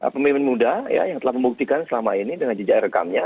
pemimpin muda yang telah membuktikan selama ini dengan jejak rekamnya